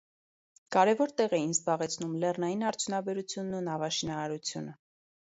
Կարևոր տեղ էին զբաղեցնում լեռնային արդյունաբերությունն ու նավաշինարարությունը։